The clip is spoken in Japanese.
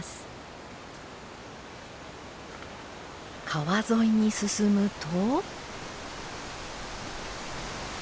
川沿いに進むと。